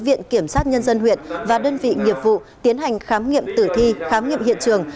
viện kiểm sát nhân dân huyện và đơn vị nghiệp vụ tiến hành khám nghiệm tử thi khám nghiệm hiện trường